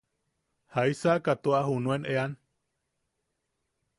¿Jaisaka tua junuen eʼean?